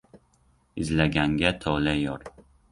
Izlaganga tole yor.